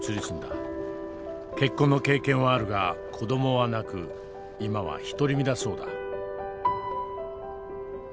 結婚の経験はあるが子どもはなく今は独り身だそうだ。